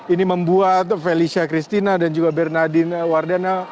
ini membuat felicia christina dan juga bernardin wardana